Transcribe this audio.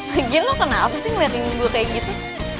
lagi lo kenapa sih ngeliat imbu kayak gitu